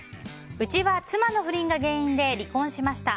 うちは妻の不倫が原因で離婚しました。